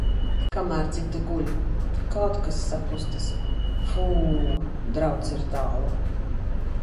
Kamēr citi guļ. Kaut kas sakustas! Fū... Drauds ir tālu.